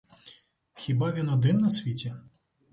Хіба він один на світі?